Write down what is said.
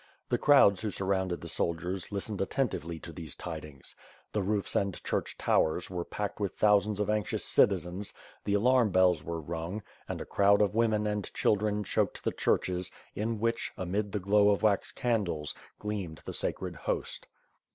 The crowds who surrounded the soldiers, listened attentively to these tidings. The roofs and church towers were packed with thousands of anxious citizens, the alarm bells were rung; and a crowd of women and children choked the churches, in which, amid the glow of vrax candles, gleamed the sacred host.